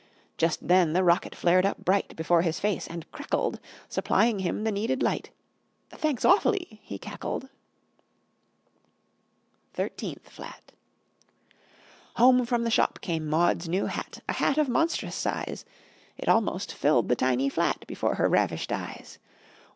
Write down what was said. Just then the rocket flared up bright Before his face and crackled, Supplying him the needed light "Thanks, awfully," he cackled. [Illustration: TWELFTH FLAT] THIRTEENTH FLAT Home from the shop came Maud's new hat A hat of monstrous size! It almost filled the tiny flat Before her ravished eyes.